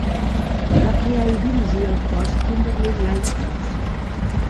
Va crear i dirigir el cos Kimberley Light Horse.